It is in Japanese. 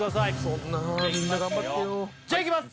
そんなみんな頑張ってよじゃいきます